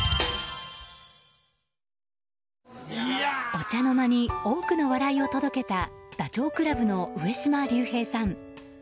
お茶の間に多くの笑いを届けたダチョウ倶楽部の上島竜兵さん。